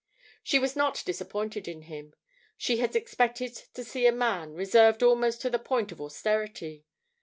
She was not disappointed in him. She had expected to see a man, reserved almost to the point of austerity.